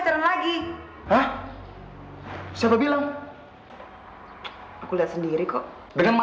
sampai jumpa di video selanjutnya